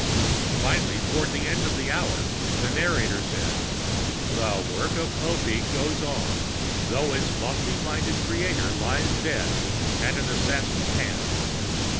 Finally, toward the end of the hour, the narrator said, "The work of Popeek goes on, though its lofty minded creator lies dead at an assassin's hand.